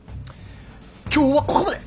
今日はここまで。